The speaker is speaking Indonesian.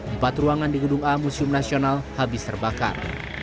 empat ruangan di gedung a museum nasional habis terbakar